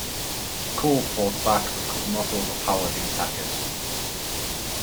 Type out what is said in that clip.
Cole fought back but could not overpower the attackers.